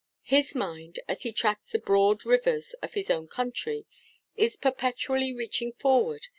His mind, as he tracks the broad rivers of his own country, is perpetually reaching forward.